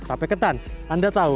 tape ketan anda tahu